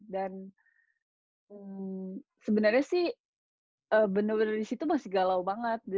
dan sebenarnya sih bener bener di situ masih galau banget